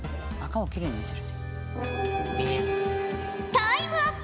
タイムアップ